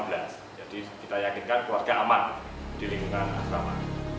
jadi kita yakin kan keluarga aman di lingkungan asrama